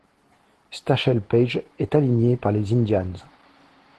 Satchel Paige est aligné par les Indians.